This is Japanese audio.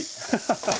ハハハ。